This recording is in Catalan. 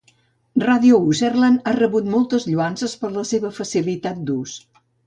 Radio UserLand ha rebut moltes lloances per la seva facilitat d'ús.